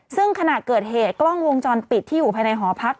ซึ่งขณะเกิดเหตุกล้องวงจรปิดที่อยู่ภายในหอพัก